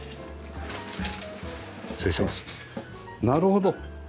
なるほど。